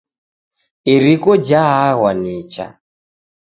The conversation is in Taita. Iriko jaaghwa nicha.